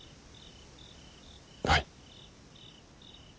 はい。